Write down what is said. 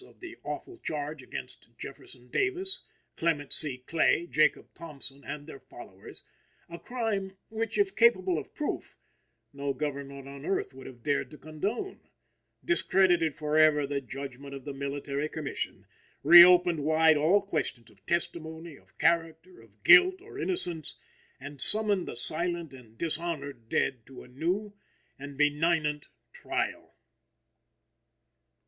of the awful charge against Jefferson Davis, Clement C. Clay, Jacob Thompson, and their followers a crime, which, if capable of proof, no government on earth would have dared to condone discredited forever the judgment of the Military Commission, reopened wide all questions of testimony, of character, of guilt or innocence, and summoned the silent and dishonored dead to a new and benignant trial.